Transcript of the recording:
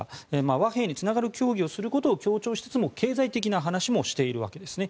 和平につながる協議をすることを強調しつつも経済的な話もしているわけですね。